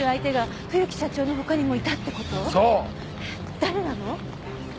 誰なの？